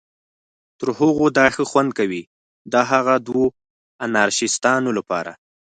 تر هغو دا ښه خوند کوي، د هغه دوو انارشیستانو لپاره.